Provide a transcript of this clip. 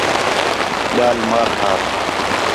ٻِیال مار بھار